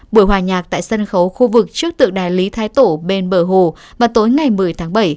buổi hòa nhạc tại sân khấu khu vực trước tượng đài lý thái tổ bên bờ hồ vào tối ngày một mươi tháng bảy